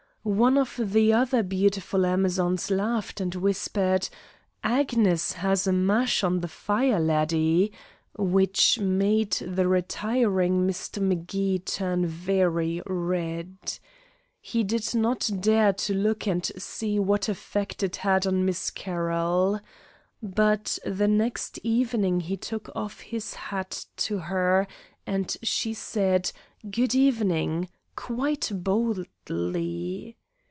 One of the other beautiful amazons laughed and whispered, "Agnes has a mash on the fire laddie," which made the retiring Mr. M'Gee turn very red. He did not dare to look and see what effect it had on Miss Carroll. But the next evening he took off his hat to her, and she said "Good evening," quite boldly.